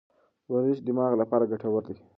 ورزش د دماغ لپاره ګټور دی.